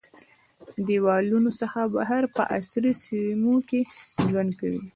د دیوالونو څخه بهر په عصري سیمو کې ژوند کوي.